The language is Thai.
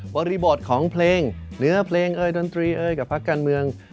บริบทของเพลงเนื้อเพลงเอยดนตรีเอยกับพักการเมือง